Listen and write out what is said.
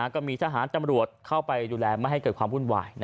ก็มีทหารตำรวจเข้าไปดูแลไม่ให้เกิดความวุ่นวาย